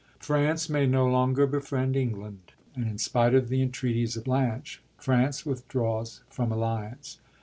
France may no longer befriend England, and, in spite of the entreaties of Blanch, France withdraws from alliance.